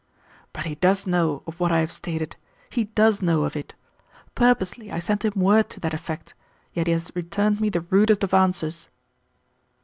"But he DOES know of what I have stated; he DOES know of it. Purposely I sent him word to that affect, yet he has returned me the rudest of answers."